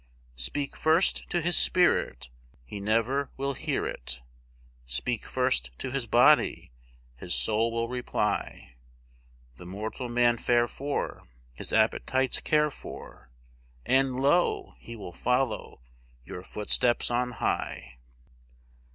Speak first to his spirit, he never will hear it; Speak first to his body, his soul will reply; The mortal man fare for, his appetites care for, And lo! he will follow your footsteps on high.